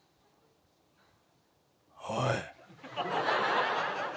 おい。